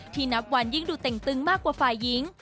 นับวันยิ่งดูเต่งตึงมากกว่าฝ่ายหญิง